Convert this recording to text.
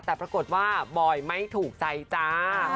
แต่ปรากฏว่าบอยไม่ถูกใจจ้า